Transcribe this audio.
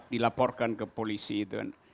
dilaporkan ke polisi itu kan